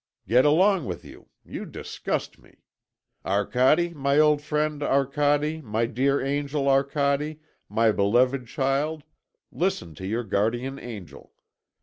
Get along with you! you disgust me. Arcade, my old friend, Arcade, my dear angel, Arcade, my beloved child, listen to your guardian angel!